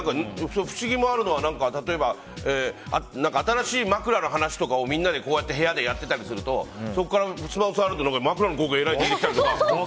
不思議もあるのは、例えば新しい枕の話とかを部屋でやってたりするとそこからスマホ触ると枕の広告が出てきたりとか。